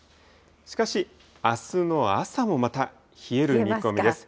しかし、あすの朝もまた冷える見込みです。